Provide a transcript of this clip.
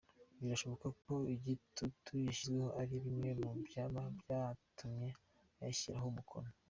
Birashoboka ko igitutu yashyizweho ari bimwe mu byaba byatumye ayashyiraho umukono.